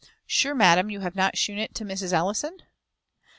Sure, madam, you have not shewn it to Mrs. Ellison?"